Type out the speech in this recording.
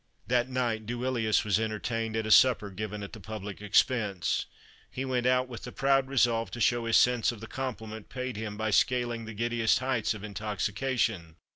That night Duilius was entertained at a supper given at the public expense; he went out with the proud resolve to show his sense of the compliment paid him by scaling the giddiest heights of intoxication.